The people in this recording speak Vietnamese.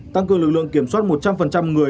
tăng cường lực lượng kiểm soát một trăm linh người